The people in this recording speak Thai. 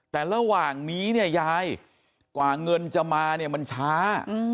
แต่ระหว่างนี้เนี่ยยายกว่าเงินจะมาเนี่ยมันช้า